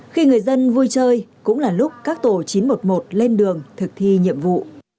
khi người dân vui chơi cũng là lúc các tổ chín trăm một mươi một lên đường thực thi nhiệm vụ